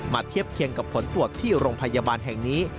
เทียบเคียงกับผลตรวจที่โรงพยาบาลแห่งนี้